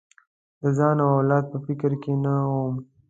د ځان او اولاد په فکر کې نه وم.